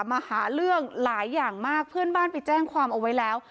มาหาเรื่องหลายอย่างมากเพื่อนบ้านไปแจ้งความเอาไว้แล้ว